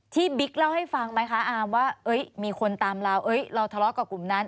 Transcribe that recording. บิ๊กเล่าให้ฟังไหมคะอามว่ามีคนตามเราเราทะเลาะกับกลุ่มนั้น